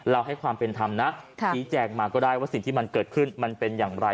ให้ความเป็นธรรมนะชี้แจงมาก็ได้ว่าสิ่งที่มันเกิดขึ้นมันเป็นอย่างไร